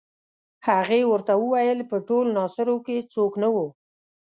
هغې ورته وویل په ټول ناصرو کې څوک نه وو.